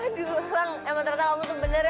aduh emang ternyata kamu tuh bener ya